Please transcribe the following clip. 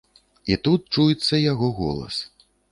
І тут чуецца яго голас.